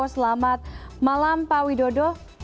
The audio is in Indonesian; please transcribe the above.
selamat malam pak widodo